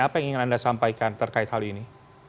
apa yang ingin anda sampaikan terkait hal ini